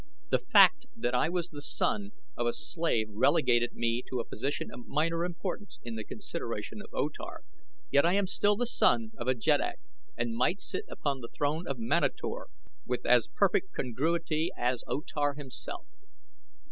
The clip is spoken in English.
The fact that I was the son of a slave relegated me to a position of minor importance in the consideration of O Tar, yet I am still the son of a jeddak and might sit upon the throne of Manator with as perfect congruity as O Tar himself.